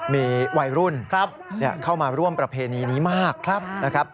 มีวัยรุ่นเข้ามาร่วมประเพณีนี้มากครับนะครับ